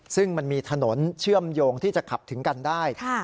ซึ่งมันมีถนนเชื่อมโยงที่จะขับถึงกันได้